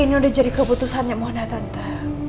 ini udah jadi keputusannya mona tante